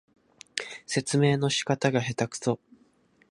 説明の仕方がへたくそ